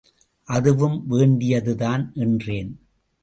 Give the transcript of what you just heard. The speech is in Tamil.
அதுவும் வேண்டியதுதான் என்றேன்.